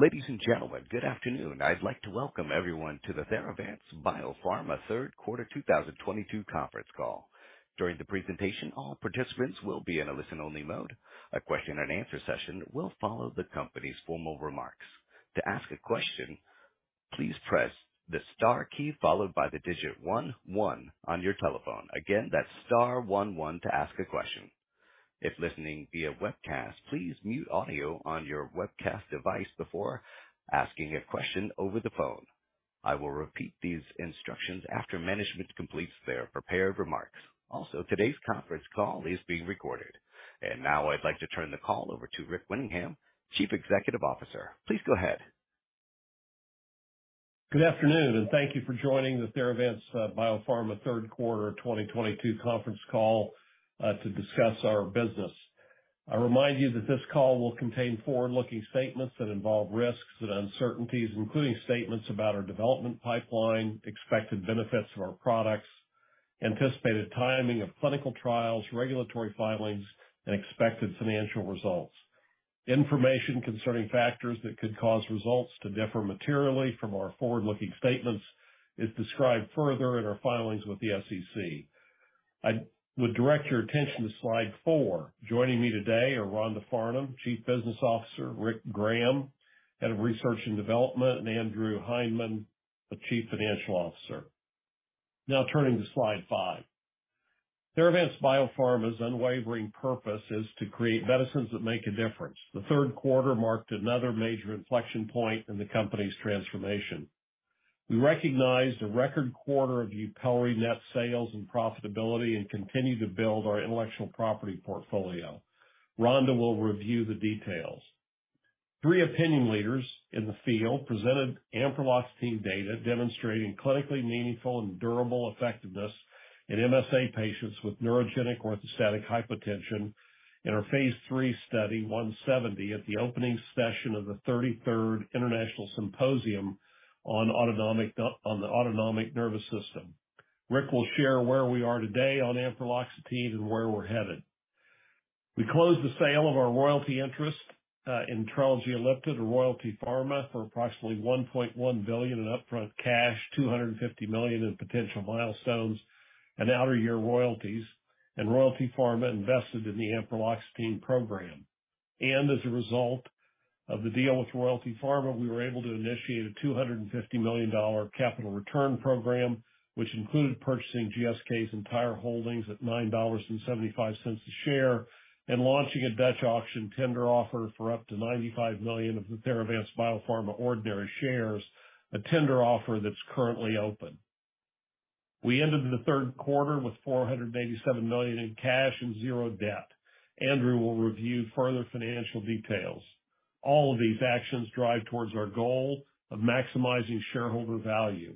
Ladies and gentlemen, good afternoon. I'd like to welcome everyone to the Theravance Biopharma third quarter 2022 conference call. During the presentation, all participants will be in a listen-only mode. A question and answer session will follow the company's formal remarks. To ask a question, please press the star key followed by the digit 1-1 on your telephone. Again, that's star-1-1 to ask a question. If listening via webcast, please mute audio on your webcast device before asking a question over the phone. I will repeat these instructions after management completes their prepared remarks. Also, today's conference call is being recorded. Now I'd like to turn the call over to Rick Winningham, Chief Executive Officer. Please go ahead. Good afternoon. Thank you for joining the Theravance Biopharma third quarter 2022 conference call to discuss our business. I remind you that this call will contain forward-looking statements that involve risks and uncertainties, including statements about our development pipeline, expected benefits of our products, anticipated timing of clinical trials, regulatory filings, and expected financial results. Information concerning factors that could cause results to differ materially from our forward-looking statements is described further in our filings with the SEC. I would direct your attention to slide four. Joining me today are Rhonda Farnum, Chief Business Officer, Rick Graham, Head of Research and Development, and Andrew Hindman, Chief Financial Officer. Now turning to slide five. Theravance Biopharma's unwavering purpose is to create medicines that make a difference. The third quarter marked another major inflection point in the company's transformation. We recognized a record quarter of YUPELRI net sales and profitability and continue to build our intellectual property portfolio. Rhonda will review the details. Three opinion leaders in the field presented ampreloxetine data demonstrating clinically meaningful and durable effectiveness in MSA patients with neurogenic orthostatic hypotension in our phase III Study 170 at the opening session of the 33rd International Symposium on the Autonomic Nervous System. Rick will share where we are today on ampreloxetine and where we're headed. We closed the sale of our royalty interest in TRELEGY ELLIPTA to Royalty Pharma for approximately $1.1 billion in upfront cash, $250 million in potential milestones, and out-year royalties. Royalty Pharma invested in the ampreloxetine program. As a result of the deal with Royalty Pharma, we were able to initiate a $250 million capital return program. Which included purchasing GSK's entire holdings at $9.75 a share and launching a Dutch auction tender offer for up to 95 million of the Theravance Biopharma ordinary shares. A tender offer that's currently open. We ended the third quarter with $487 million in cash and zero debt. Andrew will review further financial details. All of these actions drive towards our goal of maximizing shareholder value.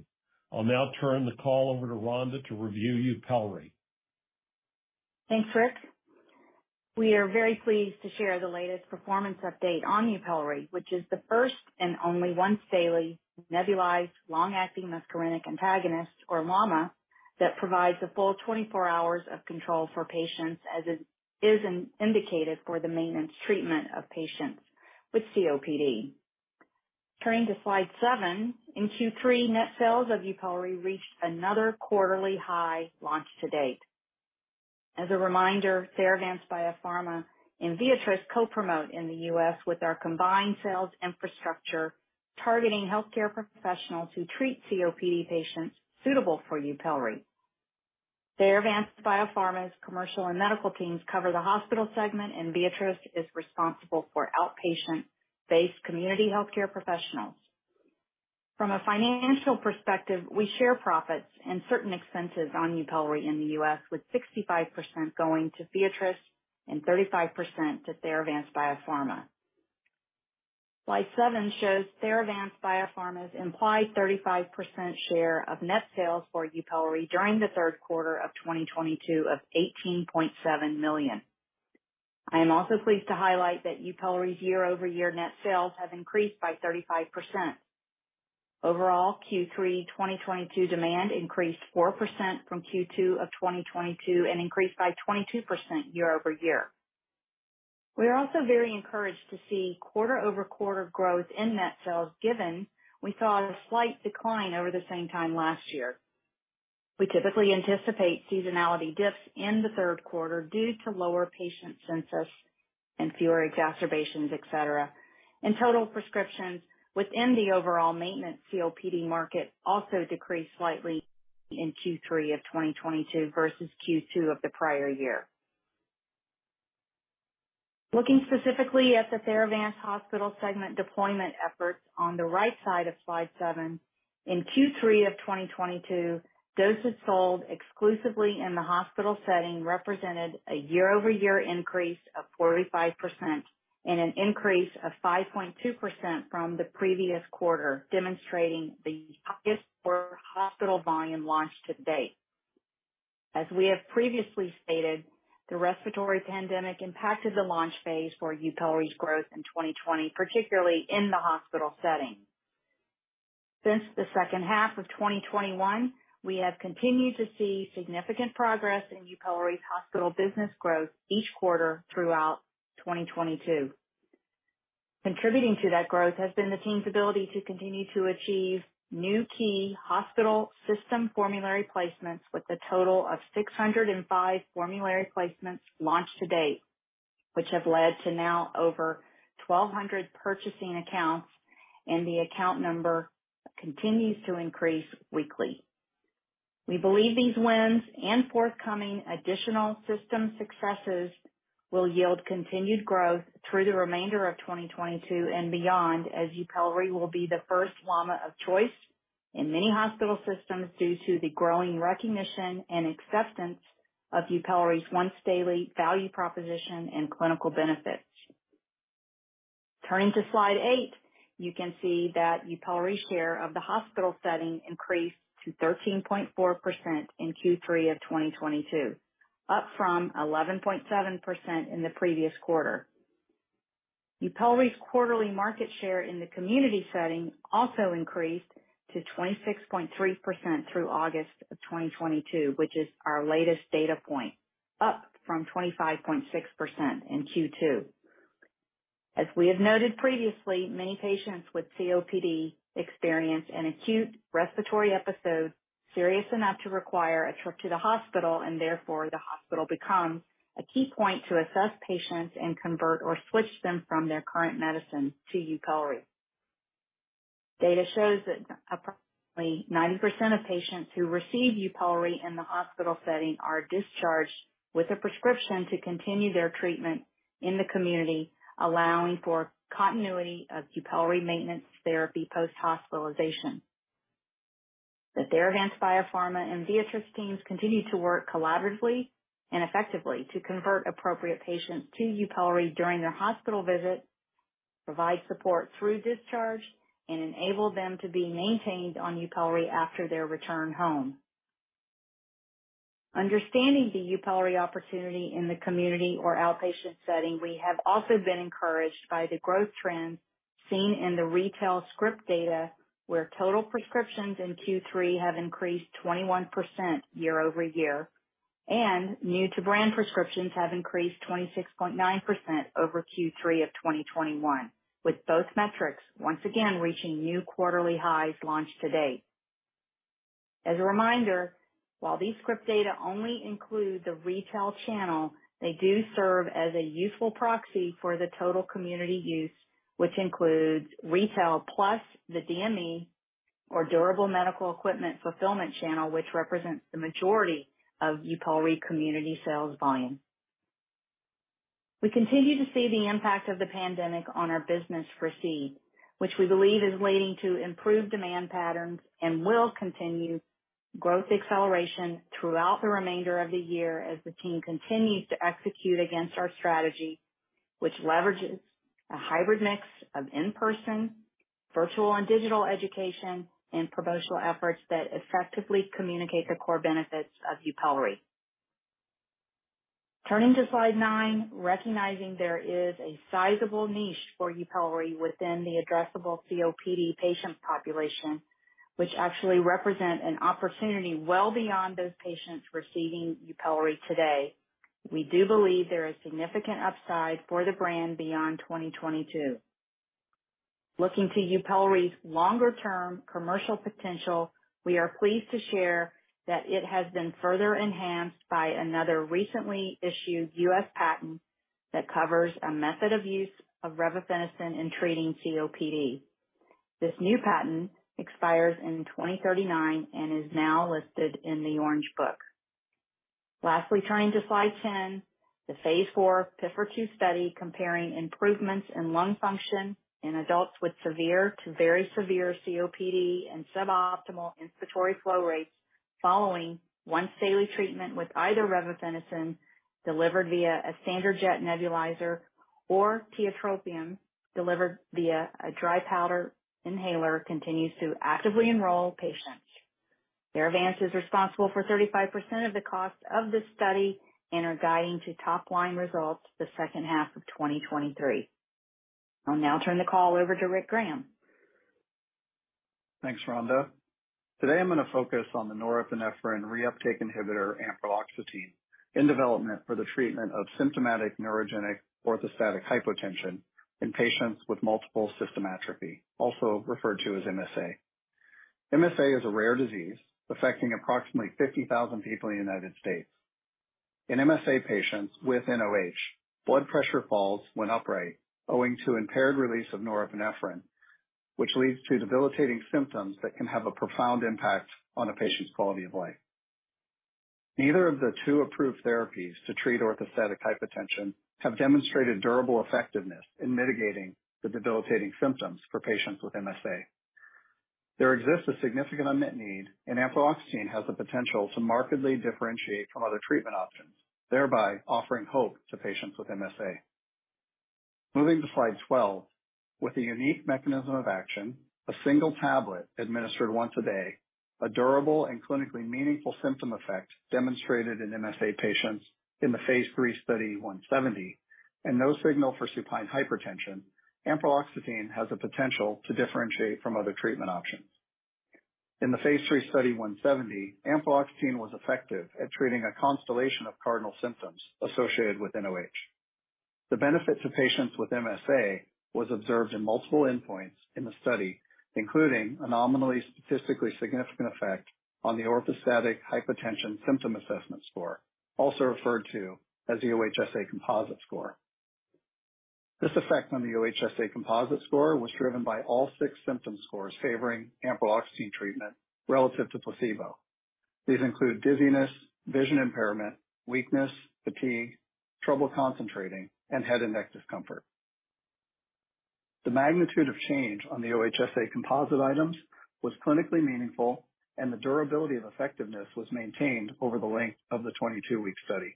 I'll now turn the call over to Rhonda to review YUPELRI. Thanks, Rick. We are very pleased to share the latest performance update on YUPELRI, which is the first and only once daily nebulized long-acting muscarinic antagonist, or LAMA, that provides a full 24 hours of control for patients as is indicated for the maintenance treatment of patients with COPD. Turning to slide seven. In Q3, net sales of YUPELRI reached another quarterly high launch to date. As a reminder, Theravance Biopharma and Viatris co-promote in the U.S. with our combined sales infrastructure targeting healthcare professionals who treat COPD patients suitable for YUPELRI. Theravance Biopharma's commercial and medical teams cover the hospital segment, and Viatris is responsible for outpatient-based community healthcare professionals. From a financial perspective, we share profits and certain expenses on YUPELRI in the U.S., with 65% going to Viatris and 35% to Theravance Biopharma. Slide seven shows Theravance Biopharma's implied 35% share of net sales for YUPELRI during the third quarter of 2022 of $18.7 million. I am also pleased to highlight that YUPELRI's year-over-year net sales have increased by 35%. Overall, Q3 2022 demand increased 4% from Q2 of 2022 and increased by 22% year-over-year. We are also very encouraged to see quarter-over-quarter growth in net sales given we saw a slight decline over the same time last year. We typically anticipate seasonality dips in the third quarter due to lower patient census and fewer exacerbations, et cetera. Total prescriptions within the overall maintenance COPD market also decreased slightly in Q3 of 2022 versus Q2 of the prior year. Looking specifically at the Theravance hospital segment deployment efforts on the right side of slide seven, in Q3 of 2022, doses sold exclusively in the hospital setting represented a year-over-year increase of 45% and an increase of 5.2% from the previous quarter, demonstrating the highest quarter hospital volume launch to date. As we have previously stated, the respiratory pandemic impacted the launch phase for YUPELRI's growth in 2020, particularly in the hospital setting. Since the second half of 2021, we have continued to see significant progress in YUPELRI's hospital business growth each quarter throughout 2022. Contributing to that growth has been the team's ability to continue to achieve new key hospital system formulary placements with a total of 605 formulary placements launched to date, which have led to now over 1,200 purchasing accounts, and the account number continues to increase weekly. We believe these wins and forthcoming additional system successes will yield continued growth through the remainder of 2022 and beyond, as YUPELRI will be the first LAMA of choice in many hospital systems due to the growing recognition and acceptance of YUPELRI's once-daily value proposition and clinical benefits. Turning to slide eight, you can see that YUPELRI's share of the hospital setting increased to 13.4% in Q3 of 2022, up from 11.7% in the previous quarter. YUPELRI's quarterly market share in the community setting also increased to 26.3% through August of 2022, which is our latest data point, up from 25.6% in Q2. As we have noted previously, many patients with COPD experience an acute respiratory episode serious enough to require a trip to the hospital, and therefore, the hospital becomes a key point to assess patients and convert or switch them from their current medicine to YUPELRI. Data shows that approximately 90% of patients who receive YUPELRI in the hospital setting are discharged with a prescription to continue their treatment in the community, allowing for continuity of YUPELRI maintenance therapy post-hospitalization. The Theravance Biopharma and Viatris teams continue to work collaboratively and effectively to convert appropriate patients to YUPELRI during their hospital visit, provide support through discharge, and enable them to be maintained on YUPELRI after their return home. Understanding the YUPELRI opportunity in the community or outpatient setting, we have also been encouraged by the growth trends seen in the retail script data, where total prescriptions in Q3 have increased 21% year-over-year, and new to brand prescriptions have increased 26.9% over Q3 of 2021, with both metrics once again reaching new quarterly highs launched to date. As a reminder, while these script data only include the retail channel, they do serve as a useful proxy for the total community use, which includes retail plus the DME or durable medical equipment fulfillment channel, which represents the majority of YUPELRI community sales volume. We continue to see the impact of the pandemic on our business recede, which we believe is leading to improved demand patterns and will continue growth acceleration throughout the remainder of the year as the team continues to execute against our strategy, which leverages a hybrid mix of in-person, virtual, and digital education and promotional efforts that effectively communicate the core benefits of YUPELRI. Turning to slide nine, recognizing there is a sizable niche for YUPELRI within the addressable COPD patient population, which actually represent an opportunity well beyond those patients receiving YUPELRI today. We do believe there is significant upside for the brand beyond 2022. Looking to YUPELRI's longer-term commercial potential, we are pleased to share that it has been further enhanced by another recently issued U.S. patent that covers a method of use of revefenacin in treating COPD. This new patent expires in 2039 and is now listed in the Orange Book. Lastly, turning to slide 10, the phase IV PIFR-2 study comparing improvements in lung function in adults with severe to very severe COPD and suboptimal inspiratory flow rates following once daily treatment with either revefenacin delivered via a standard jet nebulizer or tiotropium delivered via a dry powder inhaler, continues to actively enroll patients. Theravance is responsible for 35% of the cost of this study and are guiding to top-line results the second half of 2023. I'll now turn the call over to Richard Graham. Thanks, Rhonda. Today, I'm going to focus on the norepinephrine reuptake inhibitor, ampreloxetine, in development for the treatment of symptomatic neurogenic orthostatic hypotension in patients with multiple system atrophy, also referred to as MSA. MSA is a rare disease affecting approximately 50,000 people in the U.S. In MSA patients with nOH, blood pressure falls when upright owing to impaired release of norepinephrine, which leads to debilitating symptoms that can have a profound impact on a patient's quality of life. Neither of the two approved therapies to treat orthostatic hypotension have demonstrated durable effectiveness in mitigating the debilitating symptoms for patients with MSA. There exists a significant unmet need, and ampreloxetine has the potential to markedly differentiate from other treatment options, thereby offering hope to patients with MSA. Moving to slide 12. With a unique mechanism of action, a single tablet administered once a day, a durable and clinically meaningful symptom effect demonstrated in MSA patients in the phase III Study 170, and no signal for supine hypertension, ampreloxetine has the potential to differentiate from other treatment options. In the phase III Study 170, ampreloxetine was effective at treating a constellation of cardinal symptoms associated with nOH. The benefit to patients with MSA was observed in multiple endpoints in the study, including a nominally statistically significant effect on the Orthostatic Hypotension Symptom Assessment score, also referred to as the OHSA composite score. This effect on the OHSA composite score was driven by all six symptom scores favoring ampreloxetine treatment relative to placebo. These include dizziness, vision impairment, weakness, fatigue, trouble concentrating, and head and neck discomfort. The magnitude of change on the OHSA composite items was clinically meaningful, and the durability of effectiveness was maintained over the length of the 22-week study.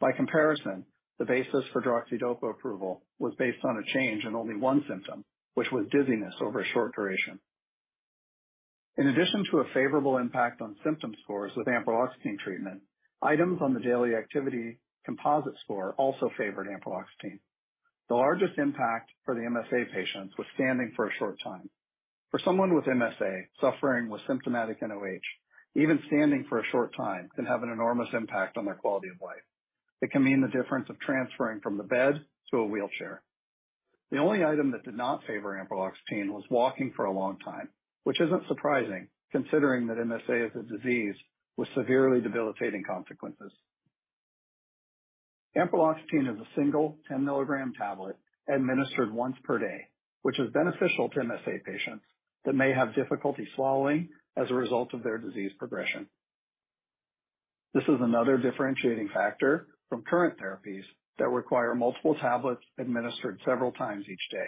By comparison, the basis for droxidopa approval was based on a change in only one symptom, which was dizziness over a short duration. In addition to a favorable impact on symptom scores with ampreloxetine treatment, items on the daily activity composite score also favored ampreloxetine. The largest impact for the MSA patients was standing for a short time. For someone with MSA suffering with symptomatic nOH, even standing for a short time can have an enormous impact on their quality of life. It can mean the difference of transferring from the bed to a wheelchair. The only item that did not favor ampreloxetine was walking for a long time, which isn't surprising considering that MSA is a disease with severely debilitating consequences. Ampreloxetine is a single 10-milligram tablet administered once per day, which is beneficial to MSA patients that may have difficulty swallowing as a result of their disease progression. This is another differentiating factor from current therapies that require multiple tablets administered several times each day.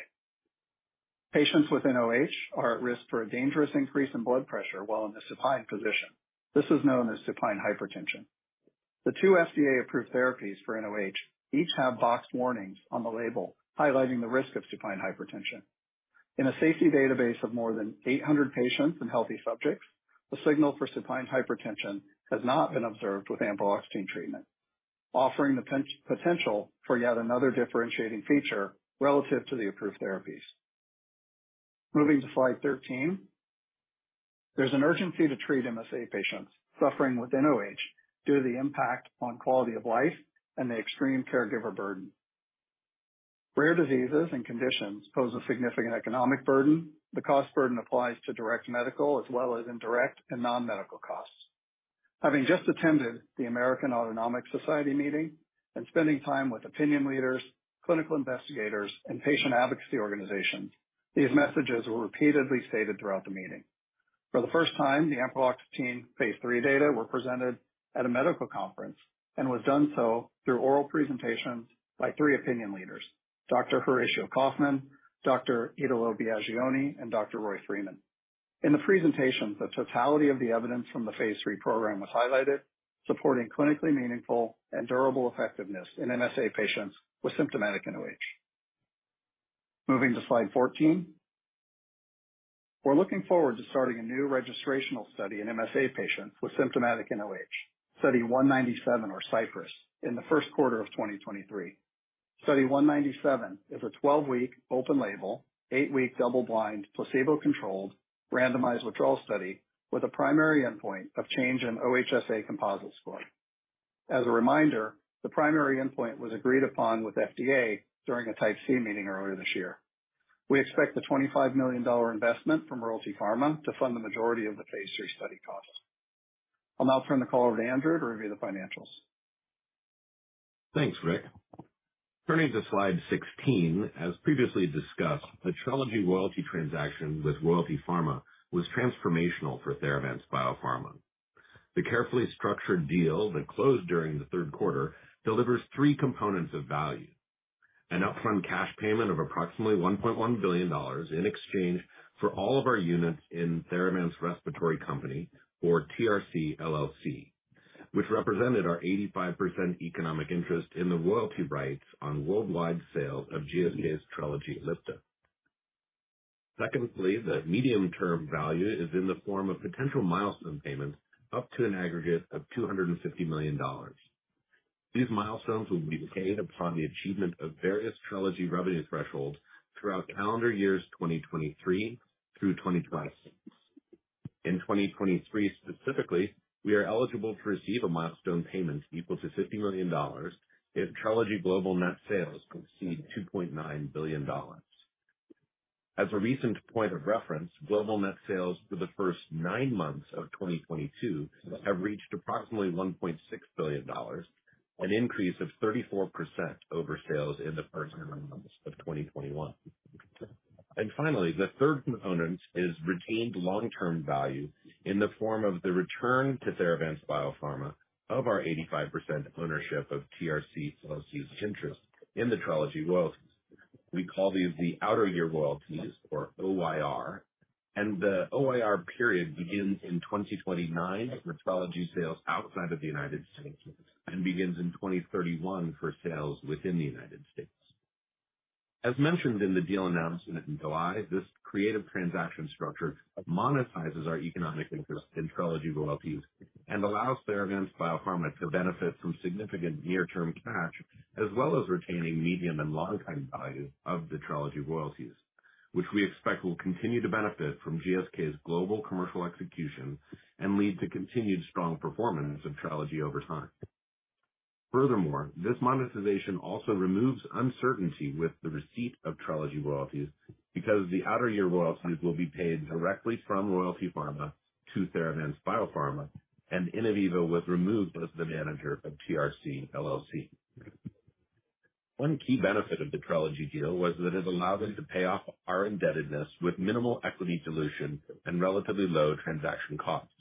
Patients with nOH are at risk for a dangerous increase in blood pressure while in the supine position. This is known as supine hypertension. The two FDA-approved therapies for nOH each have box warnings on the label highlighting the risk of supine hypertension. In a safety database of more than 800 patients and healthy subjects, the signal for supine hypertension has not been observed with ampreloxetine treatment, offering the potential for yet another differentiating feature relative to the approved therapies. Moving to slide 13. There's an urgency to treat MSA patients suffering with nOH due to the impact on quality of life and the extreme caregiver burden. Rare diseases and conditions pose a significant economic burden. The cost burden applies to direct medical as well as indirect and non-medical costs. Having just attended the American Autonomic Society Meeting and spending time with opinion leaders, clinical investigators, and patient advocacy organizations, these messages were repeatedly stated throughout the meeting. For the first time, the ampreloxetine phase III data were presented at a medical conference and was done so through oral presentations by three opinion leaders, Dr. Horacio Kaufmann, Dr. Italo Biaggioni, and Dr. Roy Freeman. In the presentations, the totality of the evidence from the phase III program was highlighted, supporting clinically meaningful and durable effectiveness in MSA patients with symptomatic nOH. Moving to slide 14. We're looking forward to starting a new registrational study in MSA patients with symptomatic nOH, Study 197, or CYPRESS, in the first quarter of 2023. Study 197 is a 12-week open label, eight-week double-blind, placebo-controlled randomized withdrawal study with a primary endpoint of change in OHSA composite score. As a reminder, the primary endpoint was agreed upon with FDA during a Type C meeting earlier this year. We expect a $25 million investment from Royalty Pharma to fund the majority of the phase III study costs. I'll now turn the call over to Andrew to review the financials. Thanks, Rick. Turning to slide 16, as previously discussed, the Trelegy royalty transaction with Royalty Pharma was transformational for Theravance Biopharma. The carefully structured deal that closed during the third quarter delivers three components of value. An upfront cash payment of approximately $1.1 billion in exchange for all of our units in Theravance Respiratory Company, or TRC LLC, which represented our 85% economic interest in the royalty rights on worldwide sales of GSK's Trelegy Ellipta. The medium-term value is in the form of potential milestone payments up to an aggregate of $250 million. These milestones will be paid upon the achievement of various Trelegy revenue thresholds throughout calendar years 2023 through 2026. In 2023 specifically, we are eligible to receive a milestone payment equal to $50 million if Trelegy global net sales exceed $2.9 billion. As a recent point of reference, global net sales for the first nine months of 2022 have reached approximately $1.6 billion, an increase of 34% over sales in the first nine months of 2021. Finally, the third component is retained long-term value in the form of the return to Theravance Biopharma of our 85% ownership of TRC LLC's interest in the Trelegy royalties. We call these the outer year royalties or OYR. The OYR period begins in 2029 for Trelegy sales outside of the U.S. and begins in 2031 for sales within the U.S. As mentioned in the deal announcement in July, this creative transaction structure monetizes our economic interest in TRELEGY royalties and allows Theravance Biopharma to benefit from significant near-term cash, as well as retaining medium and long-term value of the TRELEGY royalties, which we expect will continue to benefit from GSK's global commercial execution and lead to continued strong performance of TRELEGY over time. Furthermore, this monetization also removes uncertainty with the receipt of TRELEGY royalties because the outer year royalties will be paid directly from Royalty Pharma to Theravance Biopharma, Innoviva was removed as the manager of TRC LLC. One key benefit of the TRELEGY deal was that it allowed us to pay off our indebtedness with minimal equity dilution and relatively low transaction costs.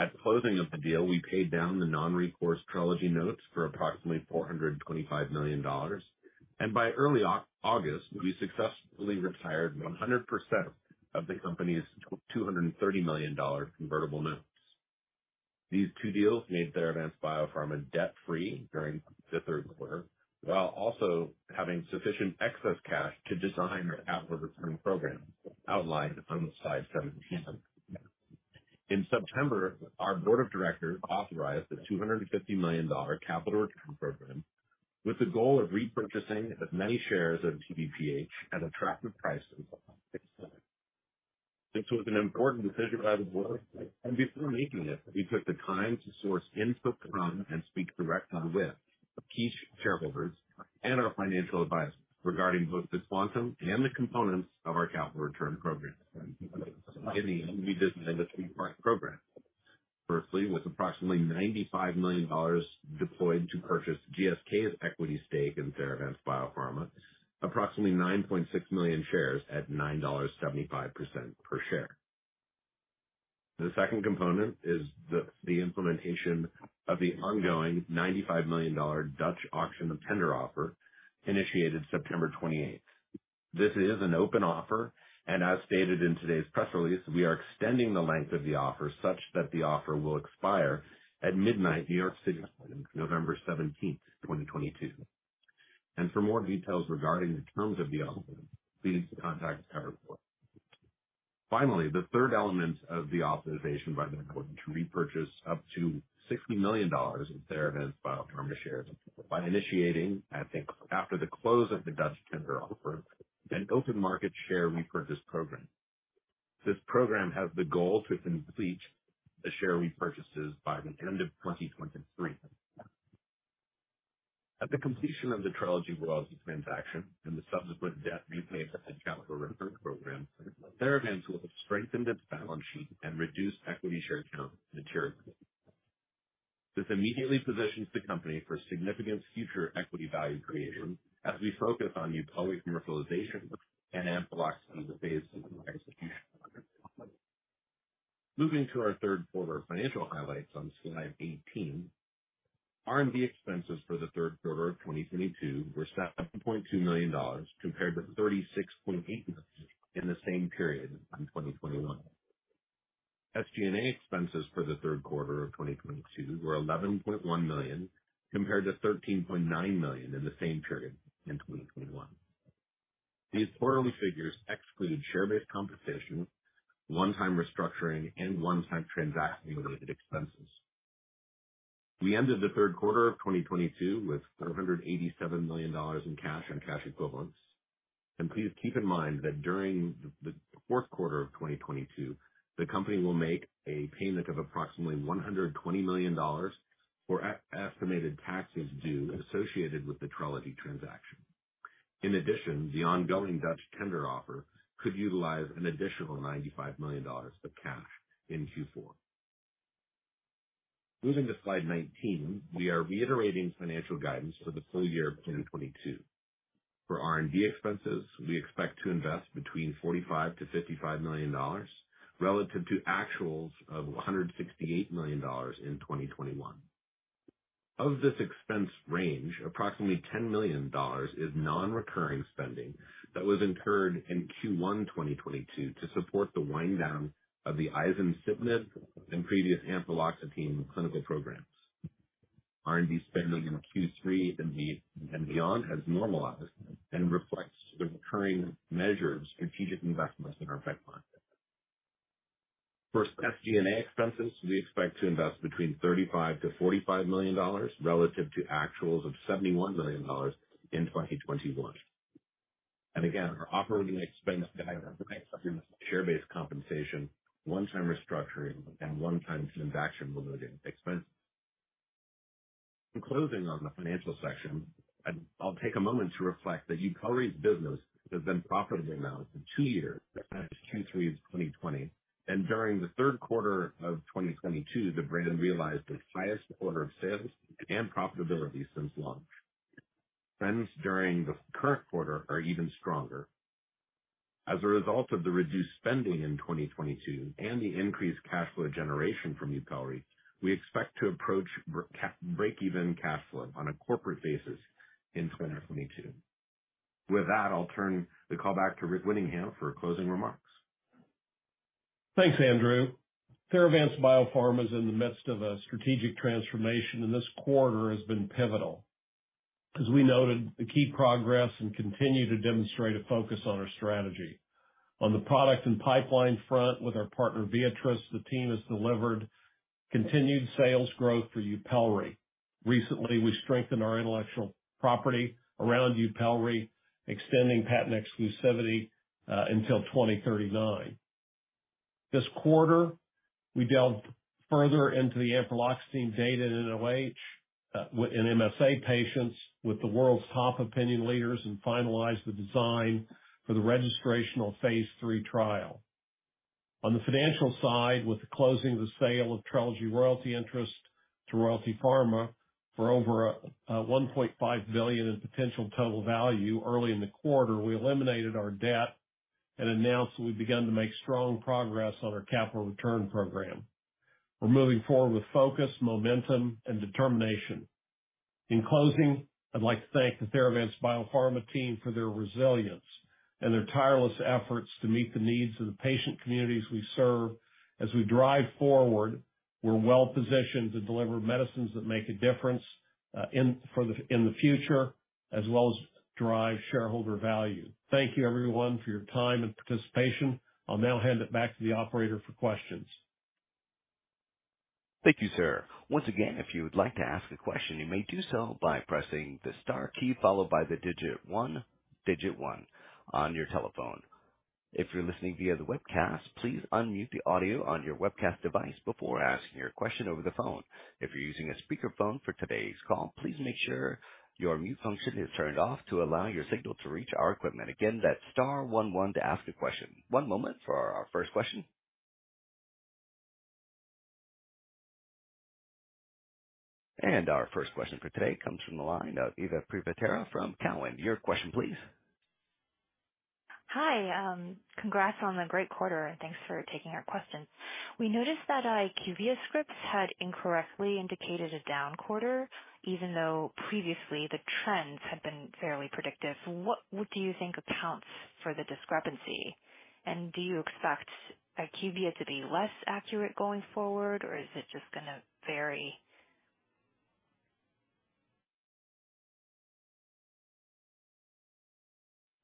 At closing of the deal, we paid down the non-recourse TRELEGY notes for approximately $425 million, by early August, we successfully retired 100% of the company's $230 million convertible notes. These two deals made Theravance Biopharma debt-free during the third quarter, while also having sufficient excess cash to design our outward return program outlined on slide 17. In September, our board of directors authorized a $250 million capital return program with the goal of repurchasing as many shares of TBPH at attractive prices. This was an important decision by the board, and before making it, we took the time to source input from and speak directly with key shareholders and our financial advisors regarding both the quantum and the components of our capital return program. Let me lead us through the three-part program. Firstly, with approximately $95 million deployed to purchase GSK's equity stake in Theravance Biopharma, approximately 9.6 million shares at $9.75 per share. The second component is the implementation of the ongoing $95 million Dutch auction and tender offer initiated September 28th. This is an open offer, as stated in today's press release, we are extending the length of the offer such that the offer will expire at midnight New York City time, November 17th, 2022. For more details regarding the terms of the offer, please contact our board. Finally, the third element of the authorization by the board to repurchase up to $60 million in Theravance Biopharma shares by initiating, I think after the close of the Dutch tender offer, an open market share repurchase program. This program has the goal to complete the share repurchases by the end of 2023. At the completion of the TRELEGY royalties transaction and the subsequent debt repayment capital return program, Theravance will have strengthened its balance sheet and reduced equity share count materially. This immediately positions the company for significant future equity value creation as we focus on YUPELRI commercialization and ampreloxetine phase III execution. Moving to our third quarter financial highlights on slide 18. R&D expenses for the third quarter of 2022 were $7.2 million, compared to $36.8 million in the same period in 2021. SG&A expenses for the third quarter of 2022 were $11.1 million, compared to $13.9 million in the same period in 2021. These total figures exclude share-based compensation, one-time restructuring, and one-time transaction-related expenses. We ended the third quarter of 2022 with $187 million in cash and cash equivalents. Please keep in mind that during the fourth quarter of 2022, the company will make a payment of approximately $120 million for estimated taxes due associated with the TRELEGY transaction. In addition, the ongoing Dutch tender offer could utilize an additional $95 million of cash in Q4. Moving to slide 19. We are reiterating financial guidance for the full year 2022. For R&D expenses, we expect to invest between $45 million-$55 million relative to actuals of $168 million in 2021. Of this expense range, approximately $10 million is non-recurring spending that was incurred in Q1 2022 to support the wind down of the izencitinib and previous ampreloxetine clinical programs. R&D spending in Q3 and beyond has normalized and reflects the recurring measures in strategic investments in our pipeline. Our operating expense guidance share-based compensation, one-time restructuring, and one-time transaction-related expenses. In closing on the financial section, I'll take a moment to reflect that YUPELRI's business has been profitable now for two years as of Q3 2020, and during the third quarter of 2022, the brand realized its highest quarter of sales and profitability since launch. Trends during the current quarter are even stronger. As a result of the reduced spending in 2022 and the increased cash flow generation from YUPELRI, we expect to approach break-even cash flow on a corporate basis in 2022. With that, I'll turn the call back to Rick Winningham for closing remarks. Thanks, Andrew. Theravance Biopharma is in the midst of a strategic transformation, and this quarter has been pivotal because we noted the key progress and continue to demonstrate a focus on our strategy. On the product and pipeline front with our partner Viatris, the team has delivered continued sales growth for YUPELRI. Recently, we strengthened our intellectual property around YUPELRI, extending patent exclusivity until 2039. This quarter, we delved further into the ampreloxetine data in nOH, in MSA patients with the world's top opinion leaders, and finalized the design for the registrational phase III trial. On the financial side, with the closing of the sale of TRELEGY royalty interest to Royalty Pharma for over $1.5 billion in potential total value early in the quarter, we eliminated our debt and announced that we've begun to make strong progress on our capital return program. We're moving forward with focus, momentum, and determination. In closing, I'd like to thank the Theravance Biopharma team for their resilience and their tireless efforts to meet the needs of the patient communities we serve. As we drive forward, we're well positioned to deliver medicines that make a difference in the future as well as drive shareholder value. Thank you everyone for your time and participation. I'll now hand it back to the operator for questions. Thank you, sir. Once again, if you would like to ask a question, you may do so by pressing the star key followed by the digit one, digit one on your telephone. If you're listening via the webcast, please unmute the audio on your webcast device before asking your question over the phone. If you're using a speakerphone for today's call, please make sure your mute function is turned off to allow your signal to reach our equipment. Again, that's star one one to ask a question. One moment for our first question. Our first question for today comes from the line of Ava Privitera from Cowen. Your question please. Hi. Congrats on the great quarter, and thanks for taking our question. We noticed that IQVIA scripts had incorrectly indicated a down quarter, even though previously the trends had been fairly predictive. What do you think accounts for the discrepancy? Do you expect IQVIA to be less accurate going forward, or is it just going to vary?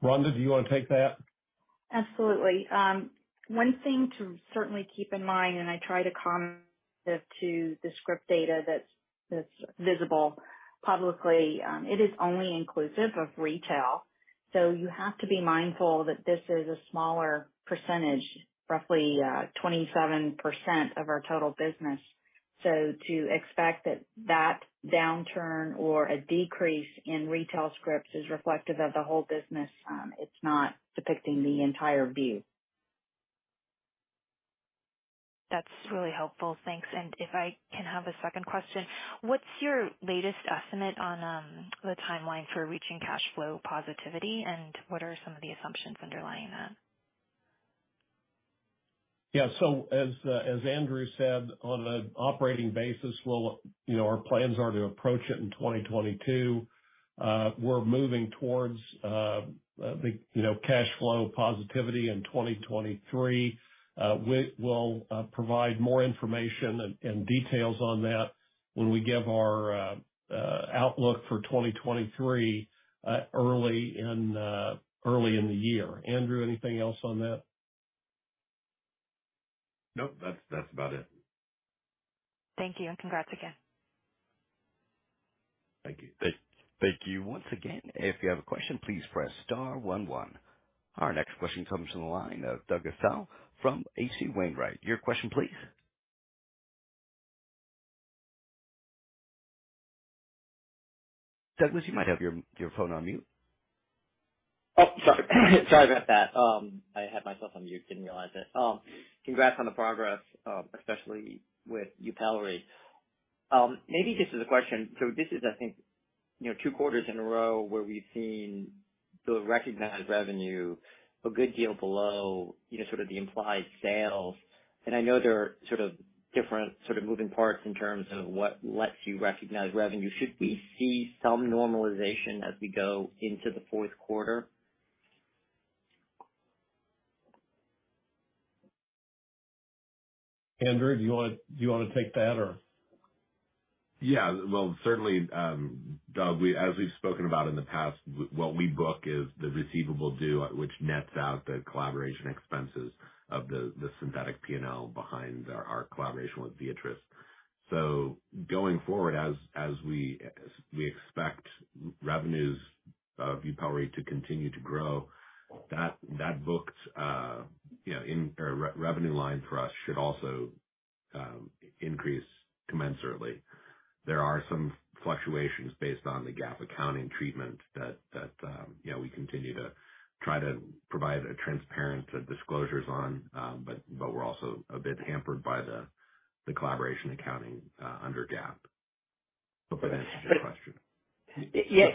Rhonda, do you want to take that? Absolutely. One thing to certainly keep in mind, and I try to the script data that's visible publicly, it is only inclusive of retail. You have to be mindful that this is a smaller percentage, roughly 27% of our total business. To expect that downturn or a decrease in retail scripts is reflective of the whole business, it's not depicting the entire view. That's really helpful. Thanks. If I can have a second question. What's your latest estimate on the timeline for reaching cash flow positivity, and what are some of the assumptions underlying that? As Andrew said, on an operating basis, our plans are to approach it in 2022. We're moving towards cash flow positivity in 2023. We will provide more information and details on that when we give our outlook for 2023 early in the year. Andrew, anything else on that? Nope. That's about it. Thank you, and congrats again. Thank you. Thank you once again. If you have a question, please press star one one. Our next question comes from the line of Douglas Tsao from H.C. Wainwright. Your question please. Douglas, you might have your phone on mute. Sorry. Sorry about that. I had myself on mute, didn't realize it. Congrats on the progress, especially with YUPELRI. Maybe just as a question, this is, I think, two quarters in a row where we've seen the recognized revenue a good deal below the implied sales, and I know there are different moving parts in terms of what lets you recognize revenue. Should we see some normalization as we go into the fourth quarter? Andrew, do you want to take that or Yeah. Well, certainly, Doug, as we've spoken about in the past, what we book is the receivable due, which nets out the collaboration expenses of the synthetic P&L behind our collaboration with Viatris. Going forward, as we expect revenues of YUPELRI to continue to grow, that booked revenue line for us should also increase commensurately. There are some fluctuations based on the GAAP accounting treatment that we continue to try to provide a transparent disclosures on, but we're also a bit hampered by the collaboration accounting under GAAP. Hope that answers your question. Yes.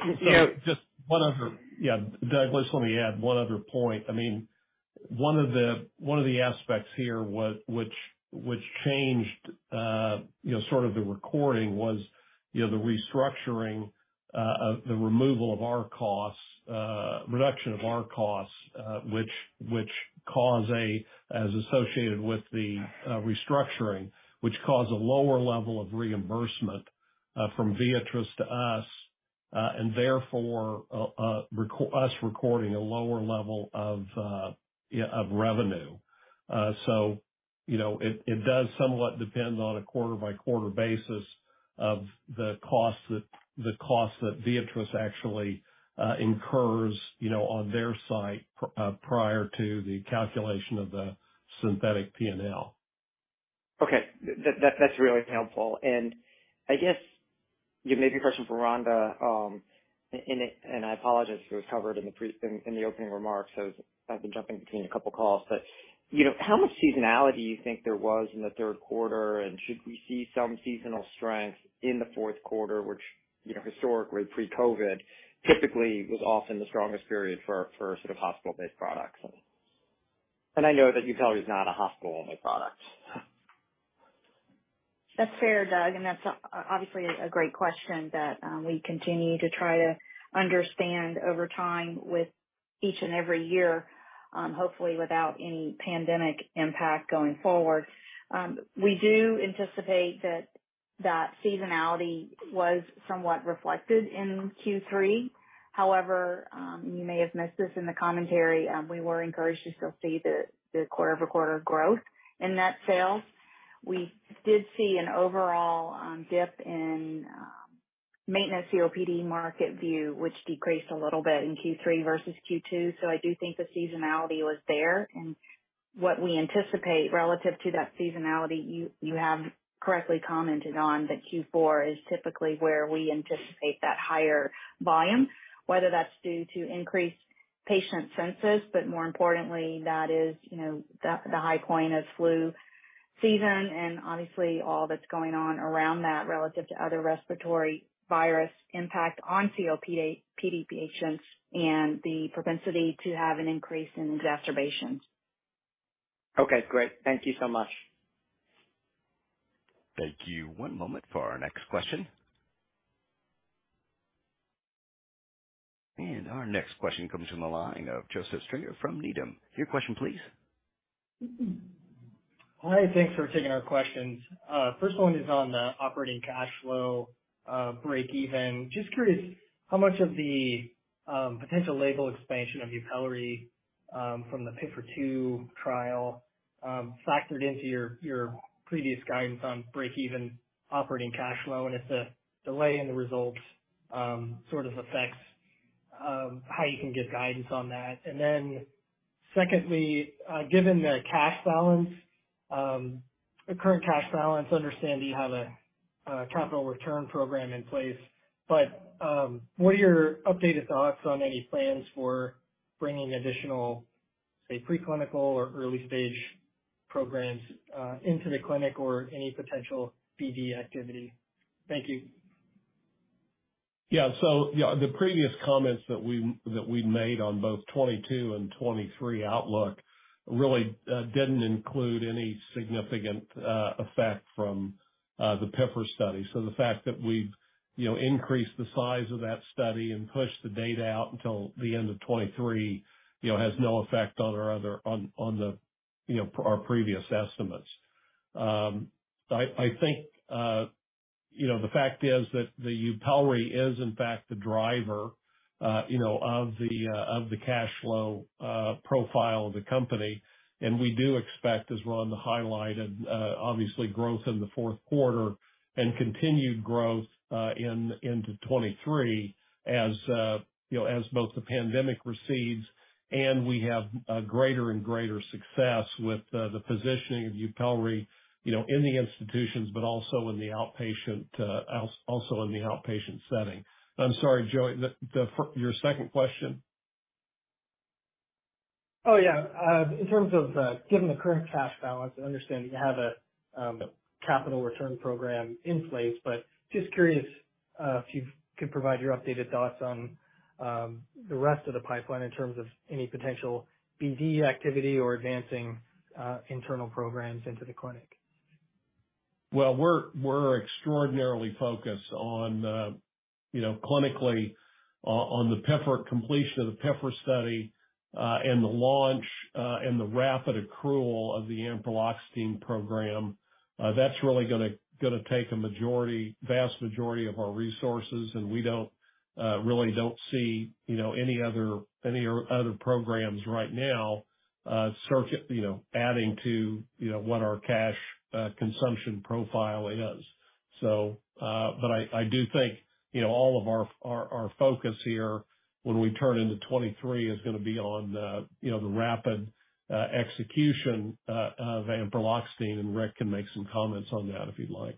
Just one other. Yeah, Doug, let me add one other point. One of the aspects here which changed sort of the recording was the restructuring, the removal of our costs, reduction of our costs, as associated with the restructuring, which caused a lower level of reimbursement from Viatris to us, therefore us recording a lower level of revenue. It does somewhat depend on a quarter-by-quarter basis of the cost that Viatris actually incurs on their side prior to the calculation of the synthetic P&L. Okay. That's really helpful. I guess maybe a question for Rhonda, I apologize if it was covered in the opening remarks, as I've been jumping between a couple calls. How much seasonality do you think there was in the third quarter, and should we see some seasonal strength in the fourth quarter, which historically pre-COVID, typically was often the strongest period for sort of hospital-based products? I know that YUPELRI is not a hospital-only product. That's fair, Doug, that's obviously a great question that we continue to try to understand over time with each and every year, hopefully without any pandemic impact going forward. We do anticipate that seasonality was somewhat reflected in Q3. However, you may have missed this in the commentary. We were encouraged to still see the quarter-over-quarter growth in net sales. We did see an overall dip in maintenance COPD market view, which decreased a little bit in Q3 versus Q2. I do think the seasonality was there. What we anticipate relative to that seasonality, you have correctly commented on, that Q4 is typically where we anticipate that higher volume, whether that's due to increased patient census, more importantly, that is the high point of flu season and obviously all that's going on around that relative to other respiratory virus impact on COPD patients and the propensity to have an increase in exacerbations. Okay, great. Thank you so much. Thank you. One moment for our next question. Our next question comes from the line of Joseph Stringer from Needham. Your question, please. Hi. Thanks for taking our questions. First one is on the operating cash flow breakeven. Just curious how much of the potential label expansion of YUPELRI from the PIFR 2 trial factored into your previous guidance on breakeven operating cash flow, and if the delay in the results sort of affects how you can give guidance on that. Secondly, given the current cash balance, I understand you have a capital return program in place, but what are your updated thoughts on any plans for bringing additional, say, preclinical or early-stage programs into the clinic or any potential BD activity? Thank you. Yeah. The previous comments that we made on both 2022 and 2023 outlook really didn't include any significant effect from the PIFR study. The fact that we've increased the size of that study and pushed the date out until the end of 2023 has no effect on our previous estimates. I think the fact is that YUPELRI is in fact the driver of the cash flow profile of the company, and we do expect, as Rhonda highlighted, obviously growth in the fourth quarter and continued growth into 2023, as both the pandemic recedes and we have greater and greater success with the positioning of YUPELRI in the institutions, but also in the outpatient setting. I'm sorry, Joey, your second question. Oh, yeah. In terms of given the current cash balance, I understand you have a capital return program in place, but just curious if you could provide your updated thoughts on the rest of the pipeline in terms of any potential BD activity or advancing internal programs into the clinic. Well, we're extraordinarily focused clinically on the completion of the PIFR study and the launch and the rapid accrual of the ampreloxetine program. That's really going to take a vast majority of our resources, and we really don't see any other programs right now adding to what our cash consumption profile is. I do think all of our focus here when we turn into 2023 is going to be on the rapid execution of ampreloxetine, and Rick can make some comments on that if he'd like.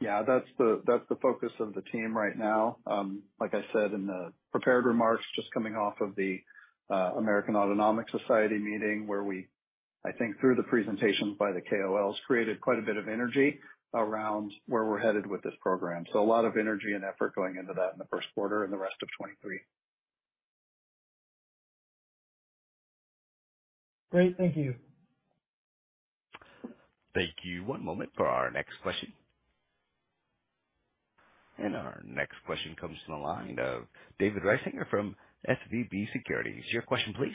Yeah, that's the focus of the team right now. Like I said in the prepared remarks, just coming off of the American Autonomic Society meeting where we I think through the presentations by the KOLs, created quite a bit of energy around where we're headed with this program. A lot of energy and effort going into that in the first quarter and the rest of 2023. Great. Thank you. Thank you. One moment for our next question. Our next question comes from the line of David Risinger from SVB Securities. Your question, please.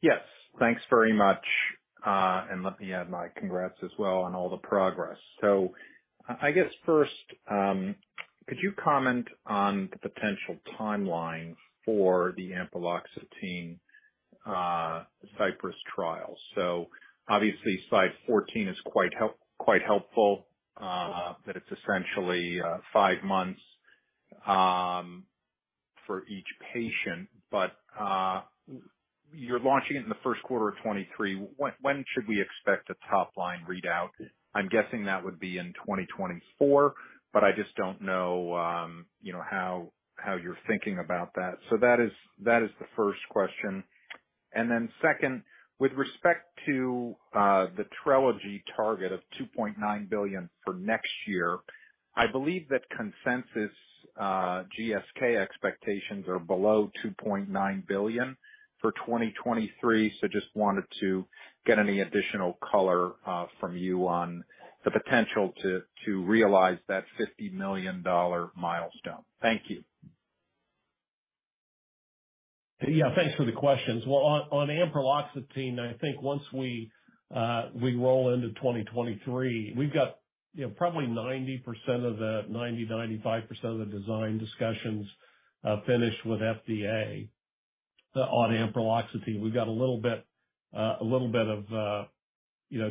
Yes. Thanks very much, and let me add my congrats as well on all the progress. I guess first, could you comment on the potential timeline for the ampreloxetine CYPRESS trial? Obviously Study 197 is quite helpful, that it's essentially five months for each patient. You're launching it in the first quarter of 2023. When should we expect a top-line readout? I'm guessing that would be in 2024, but I just don't know how you're thinking about that. That is the first question. Then second, with respect to the TRELEGY target of $2.9 billion for next year, I believe that consensus GSK expectations are below $2.9 billion for 2023. Just wanted to get any additional color from you on the potential to realize that $50 million milestone. Thank you. Yeah. Thanks for the questions. On ampreloxetine, I think once we roll into 2023, we've got probably 90%-95% of the design discussions finished with FDA on ampreloxetine. We've got a little bit of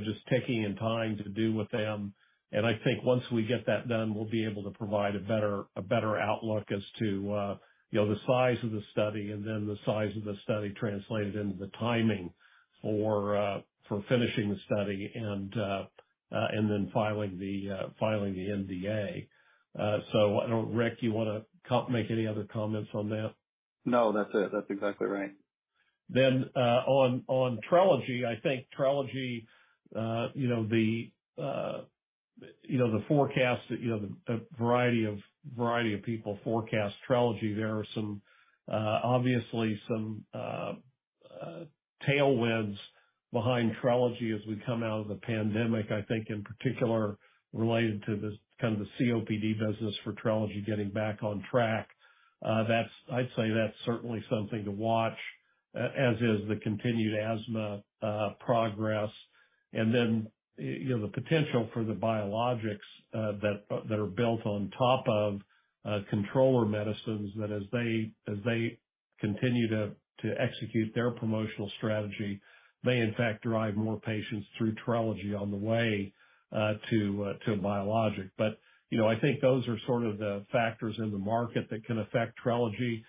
just ticking and tying to do with them, and I think once we get that done, we'll be able to provide a better outlook as to the size of the study and then the size of the study translated into the timing for finishing the study and then filing the NDA. I don't know, Rick, you want to make any other comments on that? No, that's it. That's exactly right. On TRELEGY, I think TRELEGY the forecast, a variety of people forecast TRELEGY. There are obviously some tailwinds behind TRELEGY as we come out of the pandemic, I think in particular related to the kind of the COPD business for TRELEGY getting back on track. The continued asthma progress. The potential for the biologics that are built on top of controller medicines that as they continue to execute their promotional strategy, may in fact drive more patients through TRELEGY on the way to biologic. I think those are sort of the factors in the market that can affect TRELEGY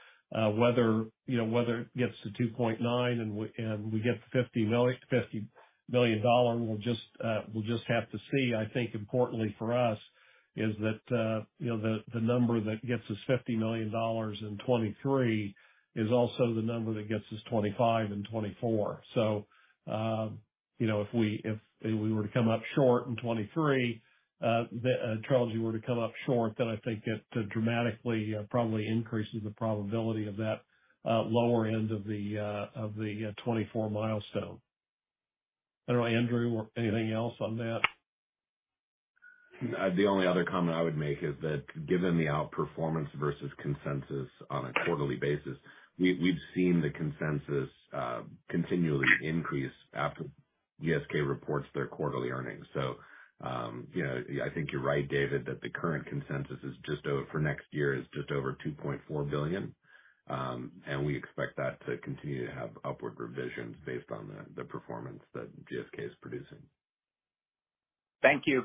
whether it gets to $2.9 billion and we get $50 million, we'll just have to see. Importantly for us, the number that gets us $50 million in 2023 is also the number that gets us $25 million in 2024. If we were to come up short in 2023, TRELEGY were to come up short, it dramatically probably increases the probability of that lower end of the 2024 milestone. I don't know, Andrew, anything else on that? The only other comment I would make, given the outperformance versus consensus on a quarterly basis, we've seen the consensus continually increase after GSK reports their quarterly earnings. You're right, David, that the current consensus for next year is just over $2.4 billion. We expect that to continue to have upward revisions based on the performance that GSK is producing. Thank you.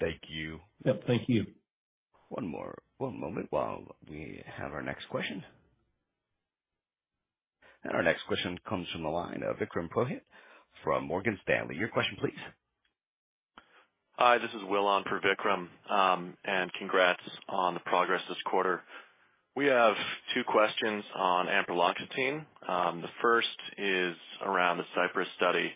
Thank you. Yep. Thank you. One moment while we have our next question. Our next question comes from the line of Vikram Purohit from Morgan Stanley. Your question, please. Hi, this is Will on for Vikram. Congrats on the progress this quarter. We have two questions on ampreloxetine. The first is around the CYPRESS study.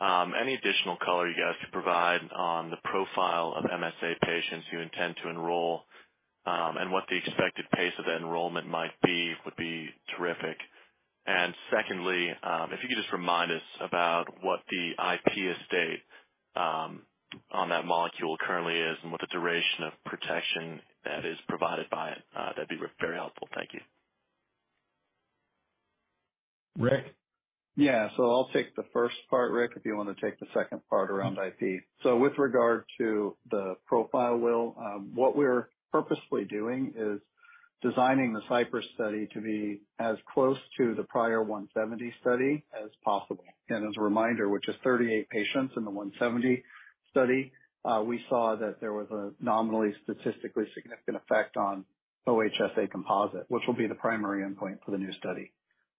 Any additional color you guys could provide on the profile of MSA patients you intend to enroll, and what the expected pace of that enrollment might be, would be terrific. Secondly, if you could just remind us about what the IP estate on that molecule currently is and what the duration of protection that is provided by it. That'd be very helpful. Thank you. Rick? Yeah. I'll take the first part, Rick, if you want to take the second part around IP. With regard to the profile, Will, what we're purposefully doing is designing the CYPRESS study to be as close to the prior Study 170 as possible. As a reminder, which is 38 patients in the Study 170, we saw that there was a nominally statistically significant effect on OHSA composite, which will be the primary endpoint for the new study.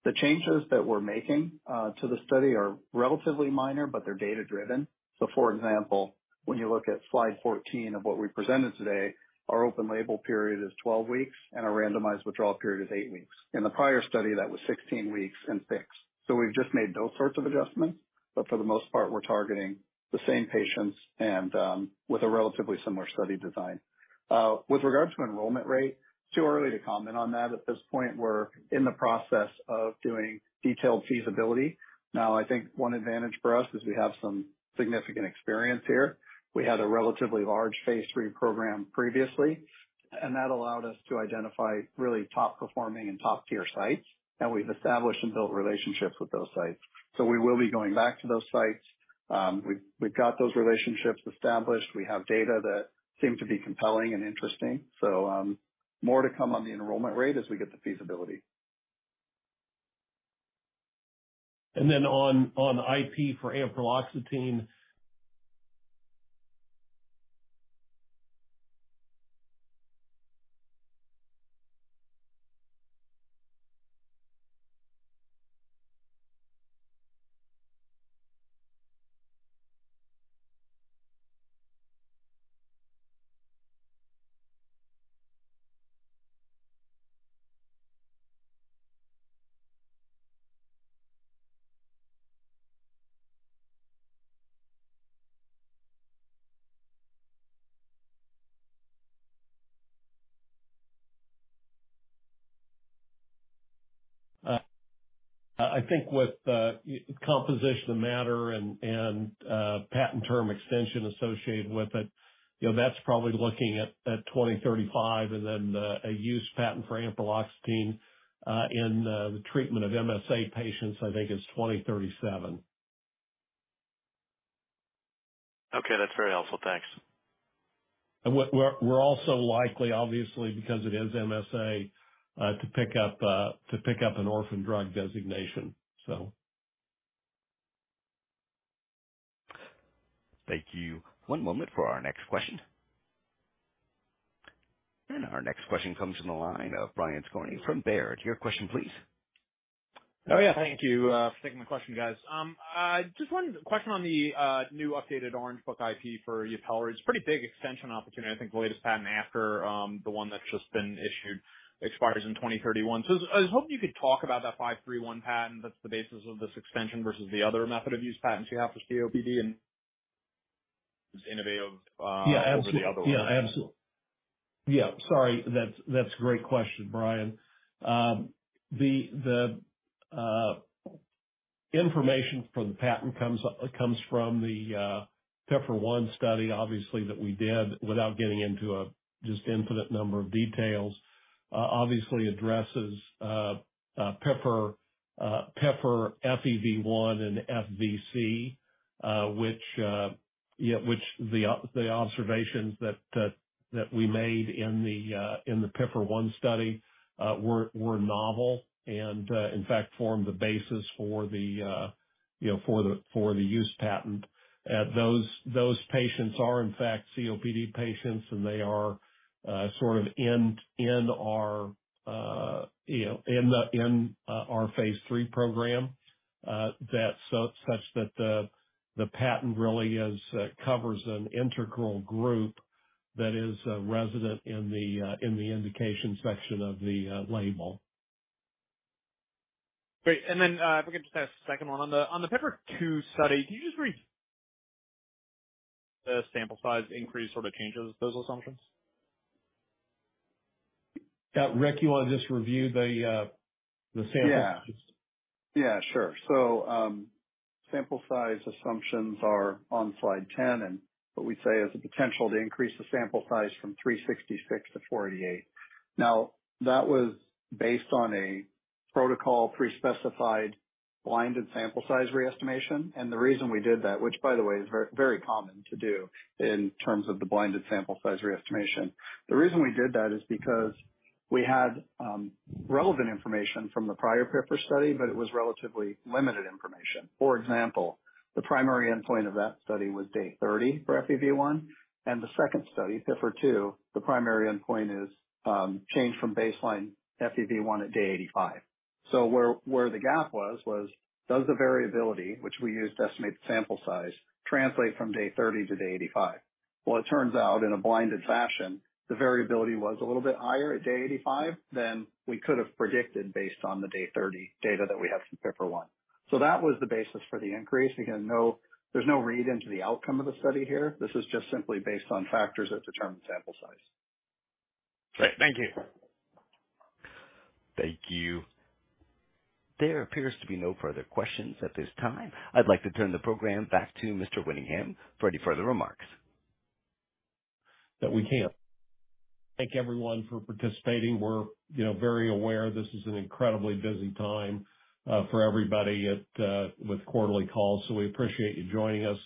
The changes that we're making to the study are relatively minor, but they're data-driven. For example, when you look at slide 14 of what we presented today, our open label period is 12 weeks and our randomized withdrawal period is eight weeks. In the prior study, that was 16 weeks and fixed. We've just made those sorts of adjustments, but for the most part, we're targeting the same patients and with a relatively similar study design. With regards to enrollment rate, too early to comment on that. At this point, we're in the process of doing detailed feasibility. I think one advantage for us is we have some significant experience here. We had a relatively large phase III program previously, and that allowed us to identify really top-performing and top-tier sites, and we've established and built relationships with those sites. We will be going back to those sites. We've got those relationships established. We have data that seem to be compelling and interesting. More to come on the enrollment rate as we get the feasibility. On IP for ampreloxetine. I think with composition of matter and patent term extension associated with it, that's probably looking at 2035, and then a use patent for ampreloxetine in the treatment of MSA patients, I think it's 2037. Okay, that's very helpful. Thanks. We're also likely, obviously, because it is MSA, to pick up an orphan drug designation. Thank you. One moment for our next question. Our next question comes from the line of Brian Skorney from Baird. Your question, please. Yeah. Thank you for taking my question, guys. Just one question on the new updated Orange Book IP for YUPELRI. It's a pretty big extension opportunity. I think the latest patent after the one that's just been issued expires in 2031. I was hoping you could talk about that '531 patent that's the basis of this extension, versus the other method of use patents you have for COPD and is innovative over the other one. Yeah, absolutely. Yeah. Sorry. That's a great question, Brian. The information for the patent comes from the PIFR-1 study, obviously, that we did, without getting into a just infinite number of details. Obviously addresses PIFR-FEV1 and FVC, which the observations that we made in the PIFR-1 study were novel and, in fact, formed the basis for the use patent. Those patients are, in fact, COPD patients, and they are sort of in our phase III program such that the patent really covers an integral group that is resident in the indication section of the label. Great. If I could just ask a second one. On the PIFR-2 study, the sample size increase sort of changes those assumptions? Rick, you want to just review the sample size? Yeah. Sure. Sample size assumptions are on slide 10, and what we say is the potential to increase the sample size from 366 to 488. That was based on a protocol pre-specified blinded sample size re-estimation. The reason we did that, which by the way is very common to do in terms of the blinded sample size re-estimation. The reason we did that is because we had relevant information from the prior PIFR study, but it was relatively limited information. For example, the primary endpoint of that study was day 30 for FEV1, and the second study, PIFR-2, the primary endpoint is change from baseline FEV1 at day 85. Where the gap was does the variability, which we use to estimate the sample size, translate from day 30 to day 85? Well, it turns out in a blinded fashion, the variability was a little bit higher at day 85 than we could have predicted based on the day 30 data that we have from PIFR-1. That was the basis for the increase. Again, there's no read into the outcome of the study here. This is just simply based on factors that determine sample size. Great. Thank you. Thank you. There appears to be no further questions at this time. I'd like to turn the program back to Mr. Winningham for any further remarks. Thank everyone for participating. We're very aware this is an incredibly busy time for everybody with quarterly calls. We appreciate you joining us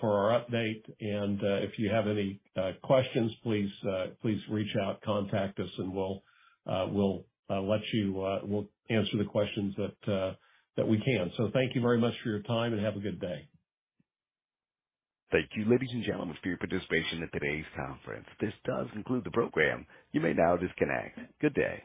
for our update. If you have any questions, please reach out, contact us, and we'll answer the questions that we can. Thank you very much for your time, and have a good day. Thank you, ladies and gentlemen, for your participation in today's conference. This does conclude the program. You may now disconnect. Good day.